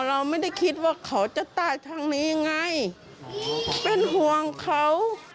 เราไม่ได้คิดว่าเขาจะตายทางนี้ยังไงเป็นห่วงเขา